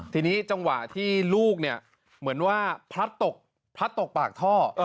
ทีนี้จังหวะที่ลูกเนี่ยเหมือนว่าพลัดตกพลัดตกปากท่อ